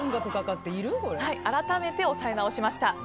改めて押さえ直しました。